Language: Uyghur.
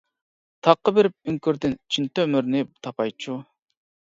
تاغقا بېرىپ ئۆڭكۈردىن چىن تۆمۈرنى تاپايچۇ.